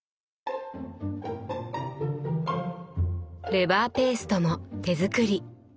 レバーペーストも手作り。